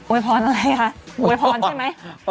วยพรอะไรคะอวยพรใช่ไหม